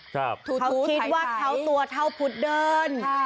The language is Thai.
เขาคิดว่าเท่าตัวเท่าพุทธเดิน